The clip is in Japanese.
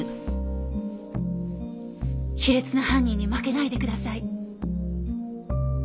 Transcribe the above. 卑劣な犯人に負けないでください。